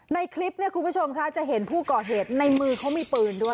ในคลิปเนี่ยคุณผู้ชมค่ะจะเห็นผู้ก่อเหตุในมือเขามีปืนด้วย